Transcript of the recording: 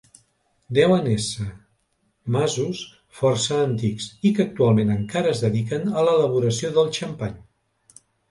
Deuen ésser masos força antics i que actualment encara es dediquen a l'elaboració del xampany.